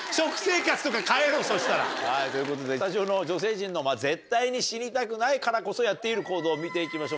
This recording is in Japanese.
そしたら。ということでスタジオの女性陣の絶対に死にたくないからこそやっている行動を見ていきましょう